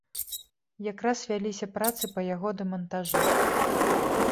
Якраз вяліся працы па яго дэмантажы.